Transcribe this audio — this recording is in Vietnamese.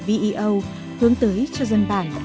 vio hướng tới cho dân bản